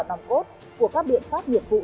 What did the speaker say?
nòng cốt của các biệt pháp nhiệt vụ